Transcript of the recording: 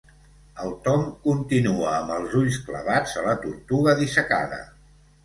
El Tom continua amb els ulls clavats a la tortuga dissecada.